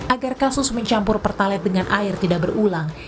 agar kasus mencampur pertalite dengan air tidak berulang